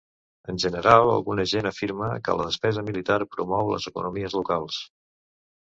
En general, alguna gent afirma que la despesa militar promou les economies locals.